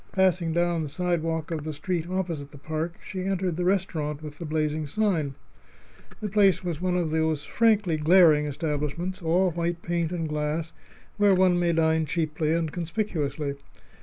Passing down the sidewalk of the street opposite the park, she entered the restaurant with the blazing sign. The place was one of those frankly glaring establishments, all white paint and glass, where one may dine cheaply and conspicuously.